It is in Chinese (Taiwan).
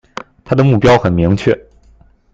他的目標很明確